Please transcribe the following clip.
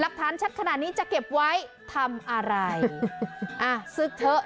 ฐานชัดขนาดนี้จะเก็บไว้ทำอะไรอ่ะศึกเถอะ